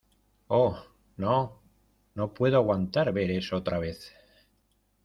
Oh, no , no puedo aguantar ver eso otra vez.